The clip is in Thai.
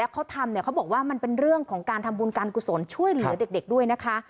เขาทำเนี่ยเขาบอกว่ามันเป็นเรื่องของการทำบุญการกุศลช่วยเหลือเด็กด้วยนะคะ